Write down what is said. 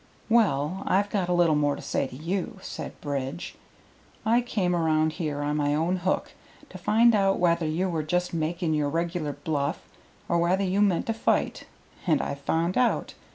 "Well, I've got a little more to say to you," said Bridge. "I came around here on my own hook to find out whether you were just making your regular bluff or whether you meant to fight, and I've found out.